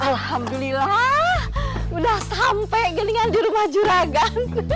alhamdulillah udah sampai gelingan di rumah juragan